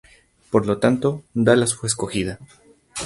Por lo tanto, Dallas fue escogida.